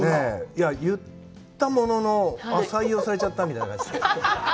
言ったものの、採用されちゃったみたいな。